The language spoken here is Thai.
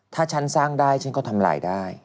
ถ้าฉันสร้างได้ฉันก็ทำลายได้